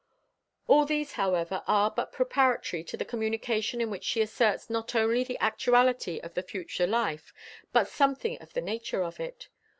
All these, however, are but preparatory to the communication in which she asserts not only the actuality of the future life but something of the nature of it.